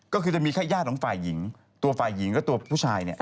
ก็คือจะมีแค่ญาติของฝ่ายหญิงตัวฝ่ายหญิงและตัวผู้ชายเนี่ย